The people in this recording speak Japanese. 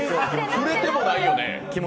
触れてもないよね。